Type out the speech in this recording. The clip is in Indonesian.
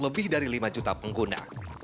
lebih dari lima juta pengguna